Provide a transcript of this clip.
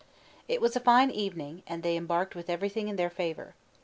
It was a fine evening, and they embarked with everything in their favor.